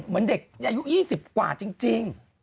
เหมือนเด็กอายุ๒๐กว่าจริง